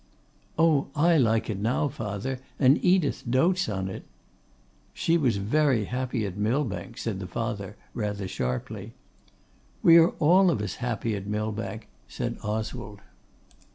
'Oh! I like it now, father; and Edith doats on it.' 'She was very happy at Millbank,' said the father, rather sharply. 'We are all of us happy at Millbank,' said Oswald.